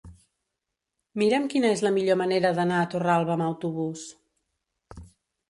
Mira'm quina és la millor manera d'anar a Torralba amb autobús.